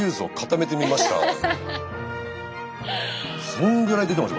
そんぐらい出てます